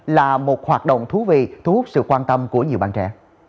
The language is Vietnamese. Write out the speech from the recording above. là một hoạt động thú vị thu hút sự quan tâm của nhiều bạn trẻ